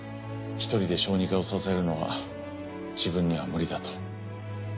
１人で小児科を支えるのは自分には無理だと。